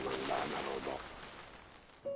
なるほど。